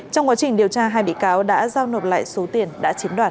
trong quá trình điều tra hai bị cáo đã giao nộp lại số tiền đã chiếm đoạt